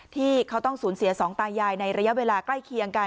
ที่เขาต้องสูญเสียสองตายายในระยะเวลาใกล้เคียงกัน